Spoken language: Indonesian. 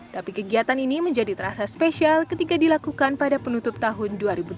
tapi kegiatan ini menjadi terasa spesial ketika dilakukan pada penutup tahun dua ribu tujuh belas